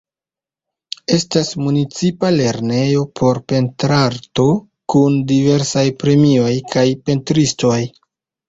Estas Municipa Lernejo por Pentrarto, kun diversaj premioj kaj pentristoj.